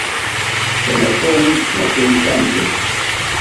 Te nokowi nokemisante.